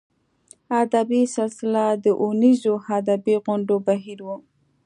ادبي سلسله د اوونیزو ادبي غونډو بهیر و.